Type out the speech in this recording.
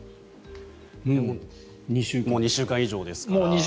もう２週間以上ですから。